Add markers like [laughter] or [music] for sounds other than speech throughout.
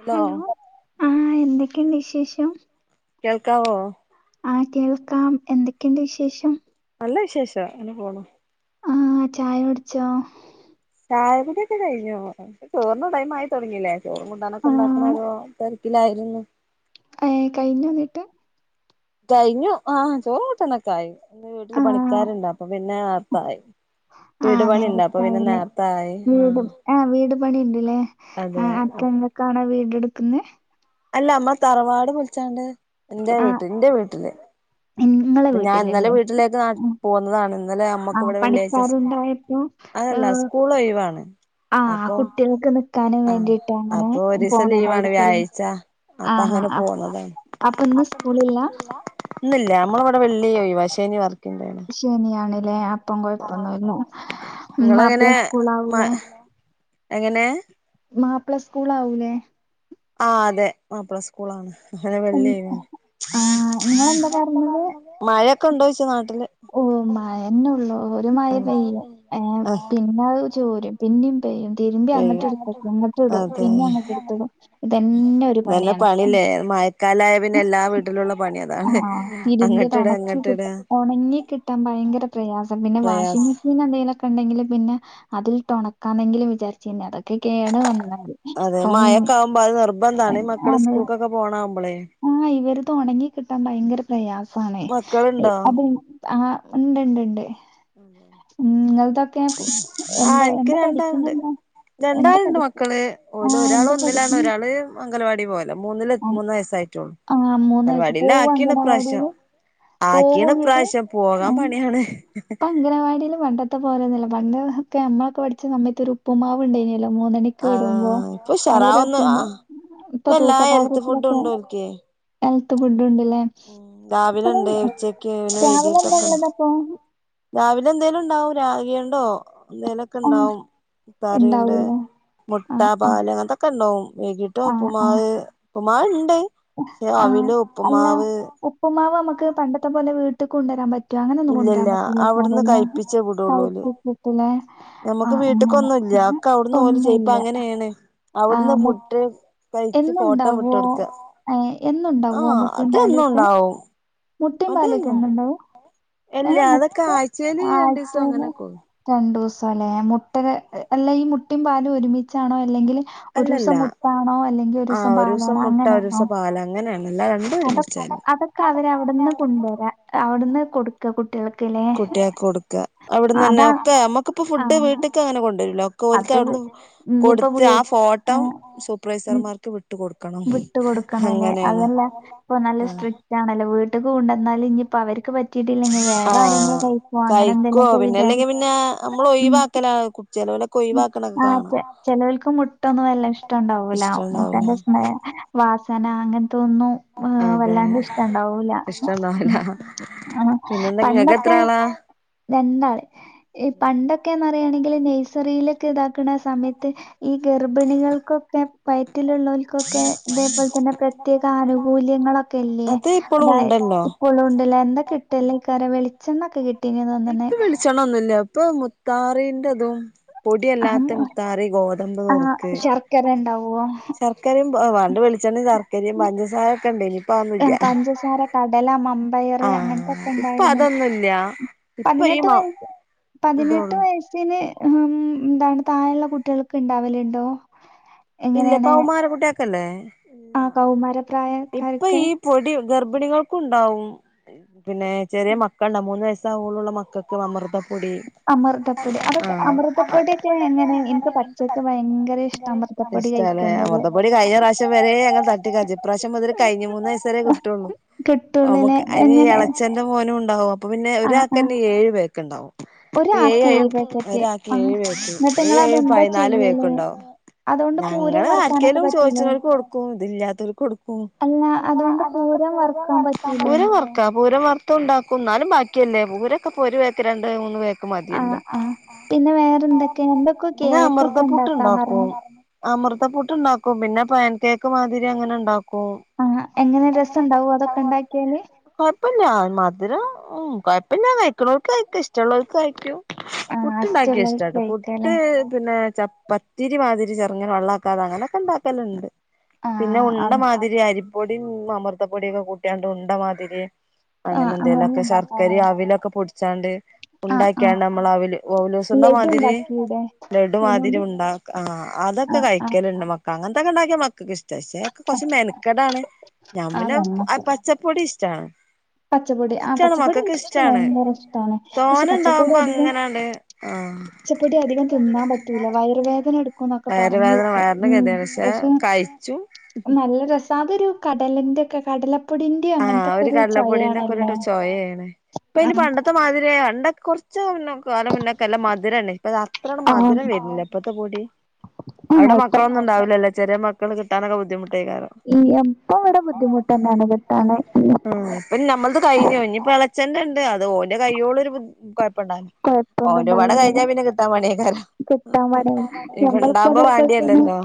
ഇതോ? ഹലോ ആഹ് എന്തെക്കെയ്ണ്ട് വിശേഷം? കേൾക്കാവോ ആഹ് കേൾക്കാം എന്തൊക്കെണ്ട് വിശേഷം നല്ല വിശേഷം അങ്ങനെ പോണു ആഹ് ചായകുടിച്ചോ ചായകുട്യൊക്കെ കഴിഞ്ഞു. ചോർന് ടൈംമായിതൊട്ങ്ങില്ലേ ചോറും ആഹ് കൂടാനൊക്കെണ്ടാക്ക്‌ണോരോ തെരക്കിലായിരുന്നു ഏഹ് കഴിഞ്ഞൊന്നട്ട് കഴിഞ്ഞു, ആഹ് ചോറും കൂട്ടാനൊക്കായി. ഇന്ന് വീട്ടില് ആഹ് പണിക്കാരുണ്ടപ്പൊ പിന്നേർത്തായി വീട് ആഹ് പണിണ്ടപ്പപിന്നെ നേരത്തായില്ലേ നേർത്തായി. ആഹ് വീട് ആഹ് വീട് പണിണ്ട്ലേ.. അതെ ആർക്കാ ഇങ്ങക്കാണോ വീട് ട്ക്കുന്നെ അല്ല. മ്മളെ തറവാട് പൊൾച്ചാണ്ട് എന്റെ ആഹ് വീട്ടില് ന്റെ വീട്ടില് നിങ്ങളെ പ്പ ഞാൻ ഇന്നലെ വീട്ടിലല്ലേ വീട്ടിലേക്ക് ഞാ പോന്നതാണ് ന്നലെ ഞമ്മക്ക് ആഹ് ഇവിടെ വെള്ളിയാഴ്ച സ്കൂ പണിക്കാരുണ്ടായപ്പോ അതല്ല സ്കൂളൊയ് വാണ് ആഹ്‌ കുട്ടികൾക്ക് നിക്കാനും വേണ്ടിയിട്ട് അങ്ങനെ അപ്പൊ ഒരീസം ലീവാണ് പോണതായിരിക്കു ലേ വ്യാഴാഴ്ച അപ്പൊ ആഹാ അങ്ങനെ അപ്പൊ പോന്നതാണ് അപ്പൊന്ന് സ്കൂളില്ല ന്നില്ല. നമ്മളവടെ വെള്ളി ഒഴിവാ, ശനി വർക്കിംഗ് ഡേയാണ് ശനിയാണ് ലേ അപ് പ്പം കുഴപ്പന്നായിരുന്നു, മാപ്പള നിങ്ങളെങ്ങനെ മ സ്കൂളാവൂല്ലേ എങ്ങനെ മാപ്പള സ്കൂളാവൂലേ ആഹ്‌ അതെ മാപ്പള സ്കൂളാണ്. അങ്ങനെ ഉം വെള്ളി ഒയ് വാണ് ആഹ് നിങ്ങളെന്താ പറഞ്ഞത് മഴൊക്കെണ്ടോയ്ച്ച നാട്ടില് ഓ മഴന്നൊള്ളൂ ഒരുമയ പെയ്യും ഏഹ്‌ ആഹ് പിന്നെത് ചോരും. പിന്നും പെയ്യും. തിരുമ്പി അങ്ങട്ട്ട് പെയ്യും തക്കും, ഇങ്ങട് ത്ത്ടും അതെ പിന്നെ അങ്ങട്ട്ട് ത്ത്ടും, ഇതന്നെ ഒരു പണിയാണ് കാലായ പിന്നെ എല്ലാ വീട്ടിലുള്ള പണി അതാണ്, ആഹ് തിരുമ്പിയത് അങ്ങട്ടിട ഒണക്കി ഇങ്ങട്ടിട കിട്ട ഒണങ്ങി കിട്ടാൻ ഭയങ്കര പ്രയാസം. പിന്നെ വാഷിംഗ് പ്രയാസം മെഷീൻ എന്തെങ്കിലൊക്കെ ണ്ടെങ്കിൽ പിന്നെ അതിൽട്ടൊണക്കാന്നെങ്കിലും വിചാര് ചീന്നതൊക്കെകേടുവന്നോയി, അതെ പ്പം മഴൊക്കെ [unintelligible] ക്കപോണാവുമ്പളെ ആഹ്‌ ഇവര്തൊണങ്ങി കിട്ടാൻ ഭയങ്കര പ്രയാസാണെ മക്കളുണ്ടോ അത് ആഹ്‌ ഉണ്ട്ണ്ട്ണ്ട് ഉം ങ്ങൾതൊക്കെ പു എന്ത എന്താ പഠിക്കുന്നെന്താ എന്താ രണ്ടാൾണ്ട് പഠിക്ക് മക്കള്, ആ എന്താ ഓലൊരാളൊന്നിലാണ്, പഠിക്കുന്നെ? ഒരാള് അംഗലവാടി പോവല മൂന്നിലെ ആ മൂന്ന് വയസ്സായിട്ടൊള്ളൂ ആ, മൂന്ന് വയസ്സ്. പരിപാടില്ല പോവോ ആക്കീണ ഇ പ്രാശ്യം അംഗനവാടീല്? പോവോ ഇങ്ങട്ട്? ആക്കീണപ്രാശ്യം ആ പോകാൻ പ മടിയാണ് ഇപ്പ അംഗനവാടീല് പണ്ടത്തെ പോലൊന്നില്ല പണ്ട് ഒക്കെ നമ്മളൊക്കെ പഠിച്ച സമയത്തെരു പ്പ്‌മാവ് ണ്ടേന്യല്ലോ മൂന്നെണിക്ക് വിടുമ്പോ ആഹ് ഇപ്പൊ നല്ല ഉഷാറാവുന്നു രസണ്ട് ആഹ് ഇപ്പൊ ഇപ്പ എല്ലാ ഹെൽത്ത് ഫുഡും തൂക്കപാത്രത്തിലൊക്കെ ഉണ്ട് ഓൽക്ക് ഹെൽത്ത് ഫുഡ് ഉണ്ടല്ലേ ഉം രാവിലെ അപ്പൊ ഉണ്ട് ഉച്ചക്ക് പിന്നെ രാവിലെ വൈകീട്ടൊക്കെ ഉണ്ട് എന്താള്ളത്പ്പൊ രാവിലെ എന്തേലുണ്ടാവും. രാഗിയോണ്ടോ ആ എന്തേലൊക്കെണ്ടാവും താറിയണ്ട് ഇണ്ടാവൂലേ? മുട്ട ആഹ് ആഹ് പാല് അങ്ങൻ ത്തൊക്കെണ്ടാവും. വൈകിട്ട് ഉപ്പുമാവ് പ്പുമാവ് ണ്ട് ആഹ്‌ അല്ല, ഉപ്പുമാവമ്മക്ക് പണ്ടത്തെ പോലെ വീട്ടിക്കൊണ്ടരാൻ പ റ്റ അങ്ങനെ ഒന്നും കൊണ്ടാൻ ഇല്ലല്ല അവിടുന്ന് പറ്റല്ല കഴിപ്പിച്ചേ വിടുള്ളൂ ഓല് കഴിപ്പിച്ചിട്ടില്ലേ ഞമ്മക്ക് വീട്ടിക്കൊന്നുല്യ. അക്കെ ഒന്നുല്ല. ആഹ് ഔട്ന്നോല് ചെയ്യു. ഒന്നുമില്ല. പ്പങ്ങനേണ്. ആ ഔട്ന്ന് മു ഫുഡ്ഡ് കഴിച്ച് ഫോട്ടം എന്നുണ്ടാവോ? വിട്ടൊടുക്ക. ഏഹ് എന്നുണ്ടാവോ ആഹ്‌ അതെന്നുണ്ടാവും. മുട്ടിം പാലൊക്കെ എന്നുണ്ടാവും. ഇല്ല ഏഹ്‌ മുട്ട അതൊക്കെ ആഴ്ചയില് രണ്ടീസം ആഴ്ചേല അങ്ങനെയൊക്കെ രണ്ടൂസലേ, മുട്ട അല്ല ഈ മുട്ടിം പാലും ഒരുമിച്ചാണോ അല്ലെങ്കില് അല്ലല്ല ഒരൂസം മുട്ടാണോ അല്ലെങ്കി ഒരൂസം പാലാണോ അങ്ങനേണോ അങ്ങനേണല്ല രൺ അതൊ അതൊക്കെ അവരവിടുന്ന് കൊണ്ടുവരാ അവിടുന്ന് കൊടുക്ക കുട്ടികൾക്ക് അല്ലെ കുട്ടിയക്കെ കൊടുക്കുക അവിടന്ന് തന്നെ ഒക്കെ നമ്മുക്കിപ്പോ ഫുഡ് ആഹ് വീട്ടിലക്ക് അങ്ങനെ കൊണ്ടുവരില്ലോ കോലക്ക് അത് അവിടുന്ന് ഇനിയിപ്പോ വീ കൊടുത്ത് ആ ഫോട്ടം ആഹ് ഉം സൂപ്പർവൈസർമാർക്ക് വിട്ടു കൊടുക്കും വിട്ട് കൊടുക്കണല്ലെ അതല്ല ഇപ്പൊ നല്ല സ്ട്രിക് ണല്ലോ വീട്ടിൽ കൊണ്ടന്നാല് ഇനിയിപ്പോ അവർക്ക് പറ്റ പറ്റിട്ടില്ലെങ്കി വേറെ ആഹ് ആരെങ്കിലും ക കയ്യി പോകേഅങ്ങനെ എന്തെലു മൊക്കെ വിചാരിച് നമ്മൾ ഒഴിവാക്കല കുചെലവലൊക്കെ ഒഴിവാക്കണൊക്കെ കാണാം ചിലവൾക്ക് മുട്ടൊന്നുമല്ല ഇഷ്ട ഇഷ്ടുണ്ടാവൂല ഇഷ്ടണ്ടാവില്ല മുട്ടൻ്റെ സ്മെ വാസന അങ്ങനത്തൊന്നും ഹ് അതെ വല്ലാണ്ട് ഇഷ്ടുണ്ടാവൂല ഇഷ്ടണ്ടാവില്ല ആഹ പിന്നെന്താ ഇങ്ങക്ക് എത്ര പണ്ടൊക്കെ ആളാ രണ്ടാള് ഈ പണ്ടൊക്കെന്ന് പറയയണെങ്കില് നഴ്സറിയിലൊക്കെ ഇതാക്കുന്ന സമയത്ത് ഈ ഗർഭിണികൾക്കൊക്കെ പയറ്റിലുള്ള ഓക്കെ ഇതേപോലെ തന്നെ പ്രത്യേക ആനുകൂല്യങ്ങളൊക്കെയില്ലേ. അത് ഇപ്പളും അതായ ഉണ്ടല്ലോ എന്തൊക്ക കിട്ടിയെന്ന് അറിയില്ല. കുറെ വെളിച്ചെണ്ണൊക്കെ കിട്ടീന്ന് തോന്നണ്. ഇപ്പൊ വെളിച്ചെണ്ണ ഒന്നുല്ല ഇപ്പൊ മുത്താറീന്റെതും, പൊടിയല്ലാത്ത മുത്താറി, ഗോതമ്പ് നൊറുക്ക് ഉണ്ടാവോ ശർക്കരയും പണ്ട് വെളിച്ചെണ്ണയും, ശർക്കരയും, പഞ്ചസാര ഒക്കെ ഉണ്ടേലും ആ പഞ്ചസാര കടല, മമ്പയർ ആഹ് അങ്ങനത്തൊക്കെ ഇപ്പൊ ഉണ്ടായിരുന്നല്ലോ. അതൊന്നുല്ല ഇപ്പൊ ഈ പതിനെട്ട് മാ വയ പതിനെട്ട് ഇതള്ളു വയസ്സ് താഴെയുള്ള കുട്ടികൾക്ക് ഇണ്ടാവലുണ്ടോ ഇതിപ്പം അവൻമാർക്ക് പൂട്ടിയിരിക്കല്ലേ. ആഹ കൗമാര പ്രായക്കാർക്ക് ഈ പൊടി ഗർഭിണികൾക്കും ഉണ്ടാവും. പിന്നെ ചെറിയ മക്കൾക്കുണ്ടാവും. മൂന്ന് വയസ്സാവുപോലുള്ള മക്കൾ അമൃതപ്പൊടി അമൃതപ്പൊടി അതൊക്കെ അമൃത അമൃതപ്പൊടിയൊക്കെ പൊടി എങ്ങനെ എനിക്ക് പച്ചക്ക് തിന്നാന് ഇഷ്ട ഭയങ്കര ഇഷ്ടമാണ്. അമൃതപ്പൊടി ഇഷ്ടാല്ലേ അ.. കഴിക്കുന്നത് മുത്താറിപൊടി കഴിഞ്ഞപ്രാവശ്യ വരെ ഞങ്ങൾ തട്ടിക്കാ. ഇപ്രാവശ്യം മുതൽ കഴിഞ്ഞ മൂന്ന് വയസ്സ് വരെ കിട്ടിയുള്ളു. കിട്ടുള്ളിലെ നമുക്ക് അതിന് എങ്ങനെ ഇളച്ചന്റെ മോനും ഉണ്ടാവും. അപ്പൊ പിന്നെ ആ ആ ഒരാൾക്കന്നെ ഏഴു പേർക്ക് ഉണ്ടാവും ഒരാക്ക് ഏഴ്, പാക്കറ്റ് ഒരാൾക്ക് ആ ഏഴ് പേക്ക്. എന്നിട്ട് നിങ്ങൾ ഏഴും ഏഴും അതെന്താ പതിനാല് പേക്ക് ചെയ്യല് ഉണ്ടാവും. അതുകൊണ്ട് പൂരം ഞങ്ങള് വറക്കാനൊക്കെ ആരിക്കെങ്കിലും പറ്റൂലേ ചോദിച്ചുന്നവർക്ക് കൊടുക്കും. ഇതില്ലാത്തവർക്ക് കൊടുക്കും. അല്ല അ അതുകൊണ്ട് പൂരം വറക്കാൻ പറ്റൂലേ വർക്ക് പൂര വർത്ത്തും ഉണ്ടാക്കും. എന്നാലും ബാക്കിയല്ല പൂരൊക്കെ ഒരു പേക്ക്. രണ്ട് മൂന്ന് പേക്ക്. ആ മതിയല്ലോ ആ പിന്നെ വേറെന്തൊക്കെ എന്തൊക്കെ പിന്നെ കേക്കൊക്കെ അമൃതപുട്ട് ഉണ്ടാക്കാന്ന് ഉണ്ടാക്കുമോ പറഞ്ഞു അമൃതപ്പുട്ട് ഉണ്ടാക്കും. പിന്നെ പാൻ കേക്ക് മാതിരി അങ്ങനെ ഉണ്ടാക്കും ആ എങ്ങനെ രസം ഉണ്ടാവുമോ അതൊക്കെ ഇപ്പൊ ഞാൻ മധുരം കുഴപ്പമില്ല. കഴിക്കുന്നവർക്ക് കഴിക്കും. ഇഷ്ടമുള്ളവർക്ക് കഴിക്കും ആഹ് പുട്ട് ഉണ്ടാക്കിയാ അസ്റ്റുള്ളവർക്ക് ഇഷ്ടാട്ടോ. പുട്ട് കഴിക്കാല്ലേ പിന്നെ ച പത്തിരി മാതിരി ചെറുങ്ങന വെള്ളക്കാതെ അങ്ങനെയൊക്കെ ഉണ്ടാക്കലുണ്ട് പിന്നെ ആഹ് അ ഉണ്ടമാതിരി അരിപ്പൊടിയും, അമൃതപ്പൊടിയൊക്കെ കൂട്ടിയാണ്ട് ഉണ്ടമാതിരി. അങ്ങനെ ആഹ് എന്തേലും ഒക്കെ ശർക്കര ഉണ്ടാക്കാലേ അവിലൊക്കെ പൊടിച്ചാണ്ട് ആഹ് ആഹ് ഉണ്ടാക്കിയാണ് നമ്മൾ അവൽ അവലൂസുണ്ട ലഡു മാതിരി., ഉണ്ടാക്കിയൂടെ ബ്രഡ് മാതിരി അയിനോണ്ട് ഉണ്ടാക്കി ആ അതൊ ആഹ് ആഹ് കഴിക്കലുണ്ട്. മക്ക അങ്ങനത്തൊക്കെ ഉണ്ടാക്കിയ മക്കക്ക് ഇഷ്ടാ കൊറച്ച് മെനക്കടാണ്. ഞാൻ ആഹ് പിന്നെ നമ്മക്ക് പച്ചപ്പൊടി ഇഷ്ടാണ് പച്ചപ്പൊടി ആഹ് ഇഷ്ടാണ് പച്ചപ്പൊടി മക്കൾക്ക് എനിക്കിഷ്ട ഇഷ്ടാണ്. ഭയങ്കര ഇഷ്ടാണ് പക്ഷെ തോന ഉണ്ടാവുമ്പോ അങ്ങനെയാണ് ആ പച്ചപൊടി അധികം തിന്നാൻ പറ്റൂല്ല വയറുവേദന എടുക്കും. ഒക്കെ വയറ് വേദന പറഞ്ഞേക്കും. വയറിന് ഉം ഗതിയാണ് പക്ഷെ കഴിച്ചും നല്ല രസ അതൊരു കടലിന്റെ ഒക്കെ കടലപ്പൊടിന്റെ അങ്ങനത്തൊക്കെ ഒരു ചൊവയാണല്ലോ പൊടീന്റെക്കെ ചൊയയാണ്. ഇപ്പൊ ഇനി ആഹ് പണ്ടത്തെ മാതിരിയല്ല കുറച്ച് കാലം മുന്നൊക്കെ നല്ല മധുരം അല്ലേ. ഇപ്പ അത്രക് ആഹ് മധുരം വരുന്നില്ല ഇപ്പഴത്തെ പൊടി അവ്ടെ ആഹ് ഇപ്പ മക്കളൊന്നും ഉണ്ടാവ്ല്ലല്ലോ. ചെറിയ മക്കൾ കിട്ടാനൊക്കെ ബുദ്ധിമുട്ടയ്ക്കാരം എപ്പം ഇവടെ ബുദ്ധിമുട്ട ന്നേണ് കിട്ടാന്. ഇപ്പം നമ്മൾത് കഴിഞ്ഞു. ഇനിപ്പ എളച്ചന്റെണ്ട്. അത് ഓന്റെ കയ്യോളം ഒരു ബു കൊയ്പ്പണ്ടാ ഓൻ്റെ പാടെ കഴിഞ്ഞാ പിന്നെ കിട്ടാൻ പണിയയ്ക്കാരം കിട്ടാ പണിയാ നമ്മള്പ്പ വാണ്ടിയല്ലല്ലോ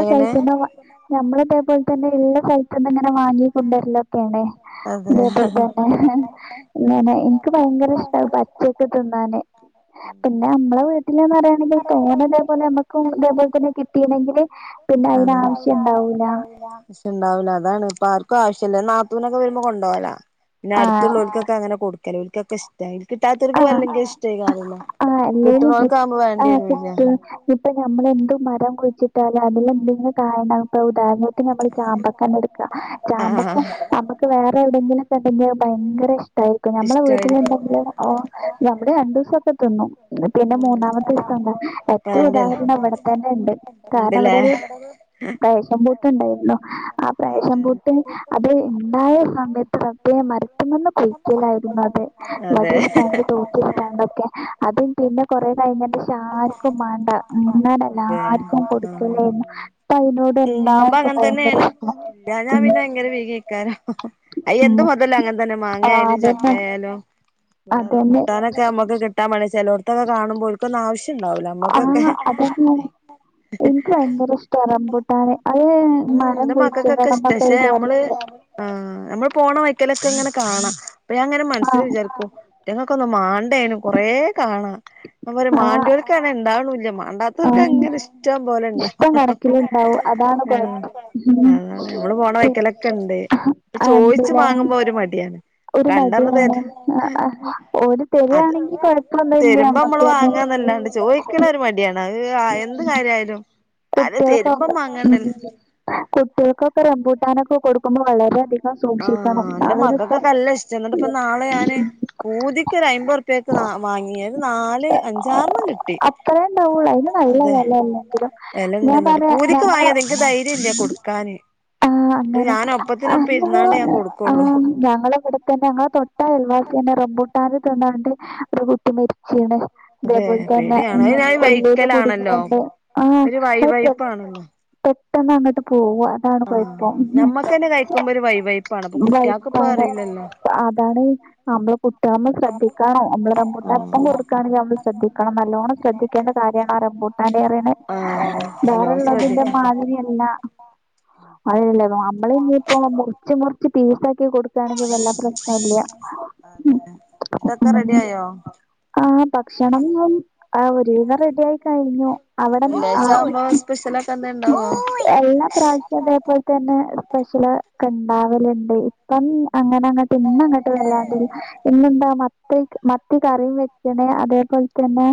എങ്ങനെ [unintelligible] നമ്മള് ഇതേ പോൽ തന്നെ ഇള്ള സെൽത്ത് ന്ന് ങ്ങനെ വാങ്ങി കുണ്ടേര്ലൊക്കേണ് അതെ ഇതേപോൽ തന്നെ ഇങ്ങനെ. ഇൻക്ക് ഭയങ്കര ഇഷ്ടാ അത് പച്ചക്ക് തിന്നാന്. പിന്നെ അമ്മളെ വീട്ടില്ന്ന് റയാ പിന്നെ തോനെ തേ പോലെ അമക്കും ഇതേപോലെ തന്നെ കിട്ടീണെങ്കി ല് പിന്നെ അയ്ന് ആവശ്യം ണ്ടാവൂല. ആവശ്യണ്ടാവൂല. അതാണ് ഇപ്പ ആർക്കും ആവശ്യല്ല. നാത്തൂനൊക്കെ വര്മ്പോ കൊണ്ടോവലാ. പിന്നെ ആഹ് അര്ത്ത്ള്ളോൽക്ക് അങ്ങനെ കൊടുക്കല്. ഓൽക്കൊക്കെ ഇഷ്ടാ. കിട്ടാത്തോർക്ക് ആഹ് അല്ലെങ്കിലും ഇഷ്ടയ്ക്കാരല്ലോ ആഹ് അല്ലേലും കി- കിട്ട്ണോൽക്കാവ്മ്പം കിട്ടും ഇപ്പൊ നമ്മളെന്ത് മരം കുഴിച്ചിട്ടാലും അതിലെന്തെങ്കിലും കായ ണ്ടാവും ഇപ്പം ഉദാഹരണം ഇപ്പ ഞമ്മള് ചാമ്പക്കഞ്ഞട്ക്ക ആഹ് ചാമ്പക്ക നമ്മക്ക് വേറെവിടെങ്കിലൊക്കെ ഇണ്ടെങ്കി ഭയങ്കര ഇഷ് ടായിരിക്കും. ഞമ്മള ഇഷ്ടായിരിക്കും വീട്ടിലിണ്ടങ്കില് ആ നമ്മടെ രണ്ടുസൊക്കെ തിന്നും പിന്നെ മൂന്നാമത്തീസം ണ്ടാ ഏറ്റുദാഹരണം ഇവിടെ തന്നെണ്ട് ഉണ്ട് കാരണം ഞാനവിടെ ഇവിടൊരു പ്രേശംപൂട്ട്ണ്ടായ്രുന്നു ആ പ്രാശേം അതെ പൂ ട്ട്ന് അത് ഇണ്ടായ സമയത്ത് റബ്ബേ മര്ത്തുമ്മെന്ന് കുൽക്കലായിരുന്നു അത്. അതെ വടി ഇട്ത്താണ്ടും തോട്ടി ഇട്ത്താണ്ടൊക്കെ അതും പിന്നെ കൊറെ കഴിഞ്ഞൻ്റെശം ആർക്കു മാണ്ട അതെ അങ്ങനെല്ലർക്കും ആഹ് കൊട്ക്കലേന്ന് ഇപ്പ അയിനോട് ഇണ്ടാവുമ്പോ എല്ലാർക്കും അങ്ങനെ തന്നെയാണ് ഭയങ്കരിഷ്ടാ ഇല്ലാഞ്ഞാ പിന്നെ ഭയങ്കര വീഗേക്കാരം അയ് എന്ത് മെതലും അങ്ങൻതന്നെ മാങ്ങയാലും അതന്നെ. ചക്കയാലും ഇവിടെ അതന്നെ. റംമ്പുട്ടാനൊക്കെ മ്മക്ക് കിട്ട ട്ടാ പണ്യ ചെലോട്ത്തൊക്കെ കാണുമ്പൊ ഓൽക്കൊന്നു ആവശ്യണ്ടാവൂല ആ അമ്മക്കൊക്കെ അതന്നെ. എനിക്ക് ഭയങ്കര ഇഷ്ടാ ഭയങ്കരിഷ്ട്ടാ റംബൂട്ടാന്. അത് റംബൂട്ടാന് ഉം മരം ന്റെ മക്കക്കൊക്കെ ഇഷ്ടാ കുഴിച്ചിടണംന്നൊക്കെ ശെ മ്മള് വിചാരിച്ചു. ആഹ് നമ്മള് പോണ വൈക്കലൊക്കെങ്ങനെ കാണാ അപ്പ ഞാങ്ങനെ മൻസ്സില് ആഹ്. വിചാരിക്കും ഇറ്റങ്ങക്കൊന്നും മാണ്ടേയ്നു കൊറേ കാണാ ഞാ പറിയ ആഹ്. മാണ്ടിയോല് ക്കങ്ങന ഇണ്ടാവ്ണുല്ല മാണ്ടാ ത്തോൽക്ക് ആഹ്. അങ്ങനെ ഇഷ്ടം പോലെ ഇണ്ടാ ഇഷ്ടം കണക്കിലുണ്ടാവും. അതാണ് കുഴപ്പം. അതാണ് മ്മള് പോണ വയ്ക്കലൊക്കെണ്ട് ആഹ് പ്പൊ ചോയ്ച്ച് എന്തിലാ മാങ്ങുമ്പോ ഒരു മടിയാണ് ഒരു കണ്ടർഞ്ഞ് മടിയാണ്. ആഹ് തര് ആഹ് ഓര് തരാണെങ്കി കൊഴപ്പൊന്നുല്ല തെരുമ്പോ മ്മള് നമ്മക്കന്നെ. വാങ്ങാന്നല്ലാണ്ട് ചോയ്ക്ക്ണൊരു മടിയാണ് അത് എന്ത് കാര്യയാലും കുട്ട്യള സൗണ്ടാ ഉം കുട്ട്യോക്കൊക്കെ റംമ്പൂട്ടാനൊക്കെ കൊടുക്കുമ്പോ വളരെയധികം ആഹ് സൂക്ഷിക്കണം എന്റെ നാളൊരു മക്കൾക്കൊക്കെ നല്ല ഇഷ്ട ന്നിട്ട്പ്പ നാളെ ഞാന് പൂതിക്ക് ഒരയ്മ്പറർപ്പ്യെക്ക് മാങ്ങി ഒരു നാല് അഞ്ചാർണ്ണം കിട്ടി അത്തറേ ഇണ്ടാവൂള്ളൂ അയിന് നല്ല അതെ വെലല്ലെ കിലോ വിലണ്ട് ഞാ എന്നിട്ട് പറയാ പൂതിക്ക് ഞങ്ങള വാങ്ങിയത് എനിക്ക് ധൈര്യം ഇല്ല ഉം കൊടുക്കാന് ആഹ് ന്നിട്ട് അങ്ങനെ ഞാൻ ഒപ്പത്തിനൊപ്പം അന്നേ ഇരുന്നാണ്ട് ഞാൻ ആ കൊടുക്കുള്ളൂ ഞങ്ങള ഇവിടെ തന്നെ ഞങ്ങള തൊട്ടയൽവാസ്യന്നെ റംബൂട്ടാന് തിന്നാണ്ട് ഒരു കുട്ടി മര്ച്ചീണ് അതെ ഇതേപോൽ തന്നെ പേടിയാണ് ഉം അത് ഞാൻ കൊല്ലേല് വൈക്കലാണല്ലോ കുട്ങ്ങിക്കാണ്ട് ഒരു ആഹ് വൈവൈപ്പാണല്ലോ പെട്ടെന്നങ്ങട്ട് പോവാ അതാണ് കൊയ്പ്പം ആഹ് ഞമ്മക്ക് തന്നെ കഴിക്കുമ്പോ ഒരു വൈവൈപ്പാണ് അപ്പൊ കുട്ടികൾക്ക് ഇപ്പ [unintelligible] അറിയില്ലല്ലോ അതാണ് നമ്മള് കുട്ട്യേളെ മ്മള് ശ്രദ്ധിക്കണം. നമ്മള് റമ്പൂട്ടാൻ എപ്പം കൊട്ക്കാണെങ്കിലും നമ്മള് ആഹ് ശ്രദ്ധിക്കണം നല്ലോണം ശ്രദ്ധിക്കേണ്ട കാര്യാണ് റംമ്പൂട്ടാന്റെ യറിണെ റംബൂട്ടാന് വേറെള്ളതിന്റെ മാതിരിയ ല്ലാ അയില്ലേ നമ്മള് ഞ്ഞ്‌പ്പൊ മുർച്ച് മുർച്ച് പീസാക്കി കൊട് ക്കാണെങ്കി വല്ലാ പ്രശ്നല്ല അതെ ഫുഡൊക്കെ ഉം റെഡി ആയോ ആഹ് ഭക്ഷണം ആഹ് ഒരു വിധം റെഡിയായി കയിഞ്ഞു അവിടെ വെള്ളിയാഴ്ച ആഹ് ആവുമ്പോ സ്പെഷ്യലൊക്കെ എന്തേ ഇണ്ടാവോ എല്ലാ പ്രാവി ശ്യ ഇതേപോൽതന്നെ സ്പെഷ്യല്ക്കണ്ടാവല്ണ്ട്. ഇപ്പം അങ്ങന അങ്ങട്ട് ഇന്ന് അങ്ങട്ട് വല്ലാണ്ടൊരു ഇന്നെന്താ മത്തി മത്തികറിയു വെച്ചണേ അതേപോൽതന്നെ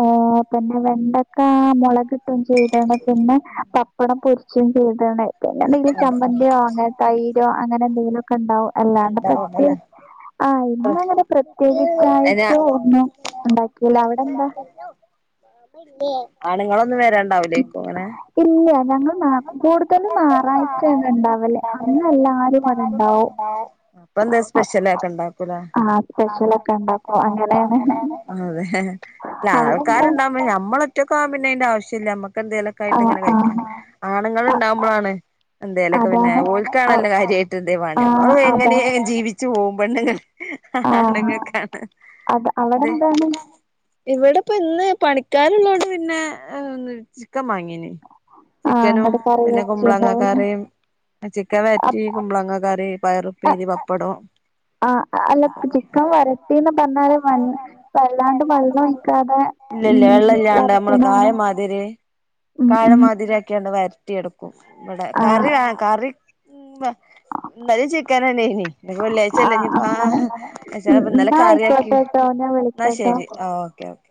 ഏഹ പിന്നെ വെണ്ടക്കാമുളക്കിട്ടും ചെയ്തിണ് പിന്നെ പപ്പടം പൊരിച്ചയും ചെയ്തണ് പിന്നെ എന്തെലും ചമ്മന്തിയോഅങ്ങൻത്തെ തൈരോ അങ്ങനെന്തെങ്കിലൊക്കെണ്ടാവു അല്ലാണ്ട് ഉണ്ടാവുന്നല്ലേ [unintelligible] ആഹ് ഇന്നങ്ങനെ അയിന് പ്രത്യേകിച്ചായിട്ട് ഒന്നും ഇണ്ടാക്കിലാ അവിടെന്താ ഇല്ലേ ആണുങ്ങളൊന്നും വരണ്ടാവില്ലേക്കു അങ്ങനെ ഇല്ല ഞങ്ങള് നാ കൂടുതലും നായറാഴ്ച ണ്ടാവല് അന്ന് എല്ലാരും വടണ്ടാവു ആ ഊ അപ്പൊ ന്തേ സ്പെഷലെക്ക ഇണ്ടാക്കൂലേ ആഹ് സ്പെഷലെക്കെ ഇണ്ടാ ഇണ്ടാക്കു അങ്ങനാണ് അതെ അല്ല അവിടെന്താ? ആൾക്കാരുണ്ടാവുമ്പോള് നമ്മള് ഒറ്റക്കാവുമ്പംപിന്നെ അയിന്റെ ആവശ്യല്ല ആഹ് മ്മക്കന്തെങ്കലൊക്കായിട്ട്ങ്ങനെ കയ്ക്കാ ആഹ് അ ആണുങ്ങളണ്ടാവുമ്പോഴാണ് എന്തേലൊക്കെ പിന്നെ അതാണ്. അ ഓൽക്കാണല്ലോ കാര്യായിട്ടേന്തേവാണ്ടേ ആഹ് നമ്മള് അതാണ്. ഏ ജീവിച്ചു പോവും പെണ്ണുങ്ങക്ക് ആഹ് ആണങ്ങൾക്കാണ് അത് ദ് അവടെന്താണ്? ഇവിടെ ഇപ്പൊ ഇന്ന് പണിക്കാരുള്ളോണ്ട് പിന്നെ ഏ ചിക്കൻ വാങ്ങീന്ന് ആഹ് ചിക്കനും ഇങ്ങട്ട് കറി പിന്നെ കുമ്പളങ്ങ വെച്ചിണ്ടാവുലേ. കറിയും ചിക്കൻ വെരറ്റി അപ് കുമ്പളങ്ങ കറി പയറും പേരി പപ്പടം ആ അല്ല ചിക്കൻ വരട്ടിന്ന് പറഞ്ഞാല് മ വല്ലാണ്ട് വെള്ളൊഴിക്കാതെ ഇല്ല ഇല്ല വെള്ളം ഉം ഇല്ലാണ്ട് നമ്മള് വരട്ട്ണാണോ? കായം മാതിരി ഉം കായം ഉം മാതിരി ആക്കിക്കാണ്ട് വെരറ്റി എടുക്കും ഇവിടെ ആഹ് കറി കറി എ ഉം ന്നലിം ചിക്കനന്നെയിന്ന് ഇനിപ്പോ വെള്ളിയാഴ്ച അല്ലേ ആഹ് ഇഞ്ഞിപോ അങ്ങനെ ച്ച് ഉം ഇന്നല്ലെ എന്നാ കറിയക്കി ആയിക്കോട്ടെട്ടോ ഞാൻ ന്നാ വിളിക്കാട്ടോ ശെരി ആ ഓക്കെ ഓ